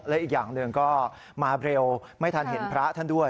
และอีกอย่างหนึ่งก็มาเร็วไม่ทันเห็นพระท่านด้วย